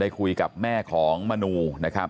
คุยกับแม่ของมนูนะครับ